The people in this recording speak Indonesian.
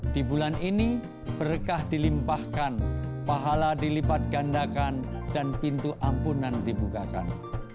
di bulan ini berkah dilimpahkan pahala dilipat gandakan dan pintu ampunan dibukakan